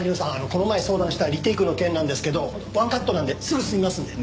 この前相談したリテイクの件なんですけどワンカットなんですぐ済みますんで。